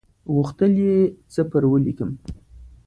غوښتل یې څه پر ولیکم.